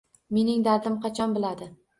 Mening dardim qachon biladi